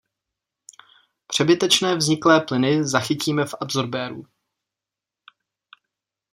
Přebytečné vzniklé plyny zachytíme v absorbéru.